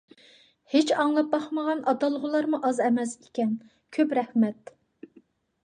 ھېچ ئاڭلاپ باقمىغان ئاتالغۇلارمۇ ئاز ئەمەس ئىكەن. كۆپ رەھمەت.